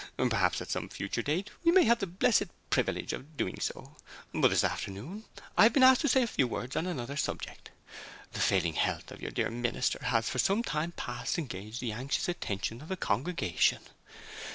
Perhaps at some future date we may have the blessed privilege of so doing; but this afternoon I have been asked to say a Few Words on another subject. The failing health of your dear minister has for some time past engaged the anxious attention of the congregation.'